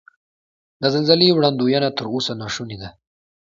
د زلزلې وړاندوینه تر اوسه نا شونې ده.